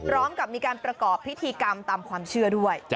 พร้อมกับมีการประกอบพิธีกรรมตามความเชื่อด้วย